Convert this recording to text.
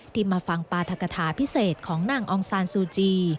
มาฟังปราธกฐาพิเศษของนางองซานซูจี